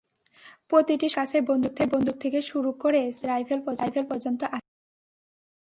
প্রতিটি সদস্যের কাছেই বন্দুক থেকে শুরু করে চায়নিজ রাইফেল পর্যন্ত আছে।